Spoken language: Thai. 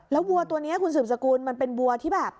แล้ววัวตัวนี้คุณสืบสกุลมันเป็นวัวที่แบบ